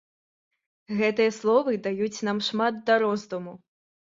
Гэтыя словы даюць нам шмат да роздуму.